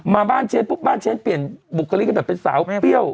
มาบ้านเชฟปุ๊บบ้านเชฟเปลี่ยนบุคลิกกันแบบเป็นสาวเปรี้ยว